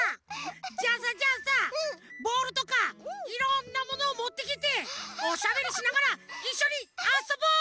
じゃあさじゃあさボールとかいろんなものをもってきておしゃべりしながらいっしょにあそぼう！